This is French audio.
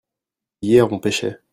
hier on pêchait.